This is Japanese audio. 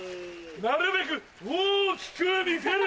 なるべく大きく見せる！